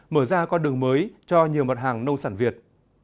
mở ra con đường mới cho nhiều mặt hàng nông sản việt